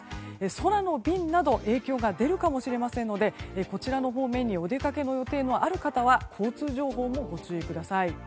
空の便など影響が出るかもしれませんのでこちらの方面にお出かけの予定のある方は交通情報もご注意ください。